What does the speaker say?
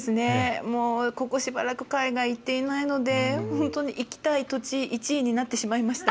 ここしばらく海外に行っていないので本当に行きたい土地、１位になってしまいました。